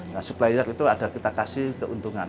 nah supplier itu ada kita kasih keuntungan